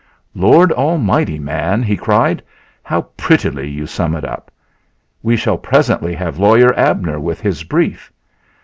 "Lord Almighty, man!" he cried. "How prettily you sum it up! We shall presently have Lawyer Abner with his brief.